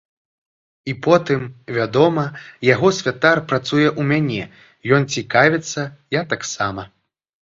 І потым, вядома, яго святар працуе ў мяне, ён цікавіцца, я таксама.